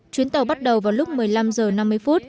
chuyến tàu bắt đầu vào lúc một mươi năm h năm mươi phút